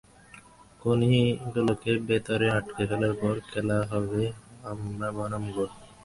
খুনি গুলোকে ভেতরে আটকে ফেলার পর, খেলা হবে আমরা বনাম গুড।